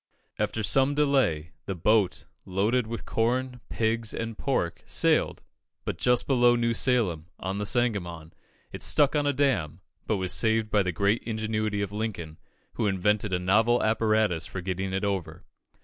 After some delay, the boat, loaded with corn, pigs, and pork, sailed, but just below New Salem, on the Sangamon, it stuck on a dam, but was saved by the great ingenuity of Lincoln, who invented a novel apparatus for getting it over.